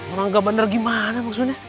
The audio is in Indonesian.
orang gak bener gimana maksudnya